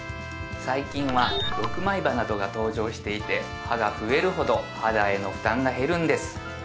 最近は６枚刃などが登場していて刃が増えるほど肌への負担が減るんです